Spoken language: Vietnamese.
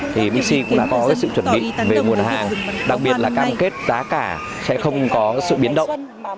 thì bc cũng đã có sự chuẩn bị về nguồn hàng đặc biệt là cam kết giá cả sẽ không có sự biến động